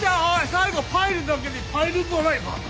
最後パイルだけにパイルドライバーだ。